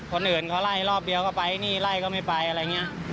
คนอื่นเขาไล่รอบเดียวก็ไปนี่ไล่ก็ไม่ไปอะไรอย่างนี้